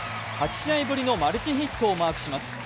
８試合ぶりのマルチヒットをマークします。